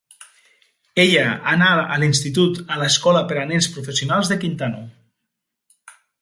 Ella anà a l'institut a l'escola per a nens professionals de Quintano.